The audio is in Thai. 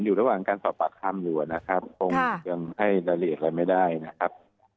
อยู่ระหว่างการสอบปากคำอยู่นะครับคงยังให้รายละเอียดอะไรไม่ได้นะครับ